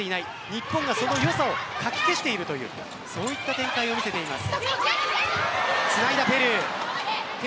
日本がその良さをかき消しているというそういった展開を見せています。